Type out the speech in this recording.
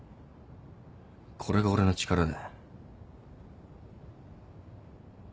これが俺の力だ。